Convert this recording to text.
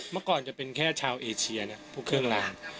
เมื่อก่อนจะเป็นแค่ชาวเอเชียนะพวกเครื่องราง